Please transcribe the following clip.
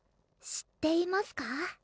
知っていますか？